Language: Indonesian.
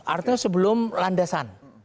artinya sebelum landasan